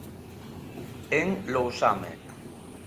En Lousame.